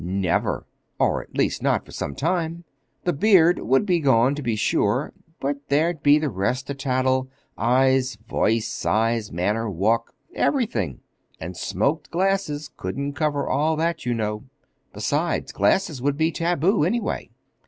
"Never!—or, at least, not for some time. The beard would be gone, to be sure; but there'd be all the rest to tattle—eyes, voice, size, manner, walk—everything; and smoked glasses couldn't cover all that, you know. Besides, glasses would be taboo, anyway.